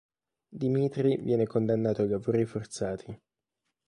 Dmitrij viene condannato ai lavori forzati.